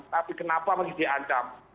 tapi kenapa masih diancam